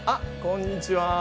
こんにちは。